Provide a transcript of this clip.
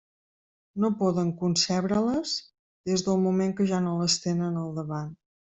No poden concebre-les des del moment que ja no les tenen al davant.